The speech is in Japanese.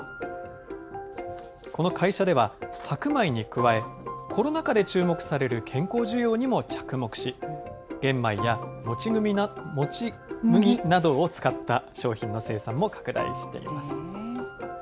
この会社では、白米に加え、コロナ禍で注目される健康需要にも着目し、玄米やもち麦などを使った商品の生産も拡大しています。